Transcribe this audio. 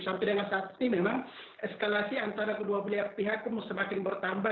sampai dengan saat ini memang eskalasi antara kedua belah pihak semakin bertambah